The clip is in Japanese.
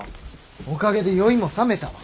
おかげで酔いもさめたわ。